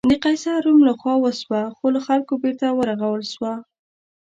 د قیصر روم له خوا وسوه، خو له خلکو بېرته ورغول شوه.